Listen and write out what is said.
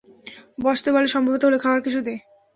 বসতে বল, সম্ভব হলে খাওয়ার কিছু দে!